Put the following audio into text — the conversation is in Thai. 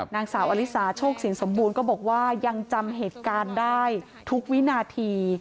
นางสาวอลิสาโชคสินสมบูรณ์ก็บอกว่ายังจำเหตุการณ์ได้ทุกวินาที